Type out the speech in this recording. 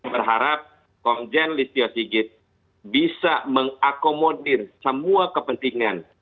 berharap komjen listio sigit bisa mengakomodir semua kepentingan